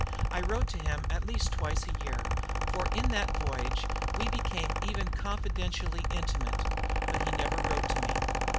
I wrote to him at least twice a year, for in that voyage we became even confidentially intimate; but he never wrote to me.